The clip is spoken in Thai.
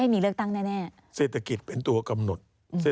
จะไม่ได้มาในสมัยการเลือกตั้งครั้งนี้แน่